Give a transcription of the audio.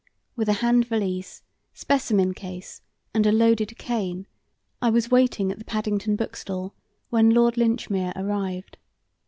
With a hand valise, specimen case, and a loaded cane, I was waiting at the Paddington bookstall when Lord Linchmere arrived.